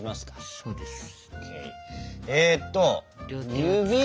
そうですよ。